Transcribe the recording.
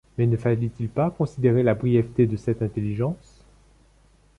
mais ne fallait-il pas considérer la brièveté de cette intelligence